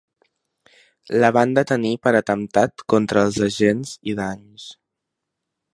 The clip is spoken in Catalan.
La van va detenir per atemptat contra els agents i danys.